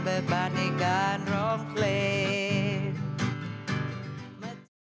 เบอร์บานในการร้องเพลง